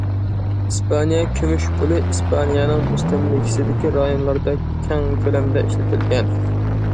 ئىسپانىيە كۈمۈش پۇلى ئىسپانىيەنىڭ مۇستەملىكىسىدىكى رايونلاردا كەڭ كۆلەمدە ئىشلىتىلگەن.